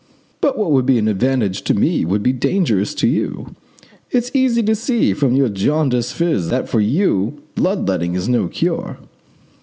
But what would be an advantage to me would be dangerous to you. It's easy to see from your jaundiced phiz that for you blood letting is no cure."